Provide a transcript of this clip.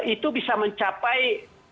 itu bisa mencapai